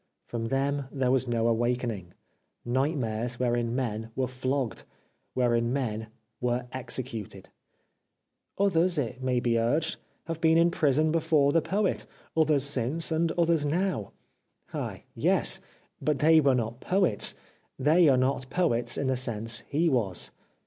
— From them there was no awakening. — Night mares wherein men were flogged ! wherein men were executed ! Others, it may be urged, have been in prison before the Poet ; others since and others now. Ah, yes ! but they were not poets, they are not poets, in the sense he was.